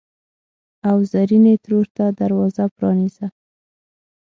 او زرینې ترور ته دروازه پرانیزه!